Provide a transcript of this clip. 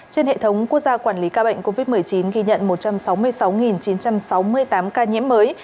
trên hệ thống quốc gia quản lý ca bệnh covid một mươi chín ghi nhận một trăm sáu mươi sáu chín trăm sáu mươi tám ca nhiễm mới